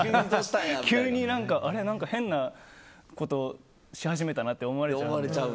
急に変なことし始めたなって思われちゃう。